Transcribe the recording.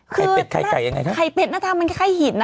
ไข่เป็ดมันคล้ายหิน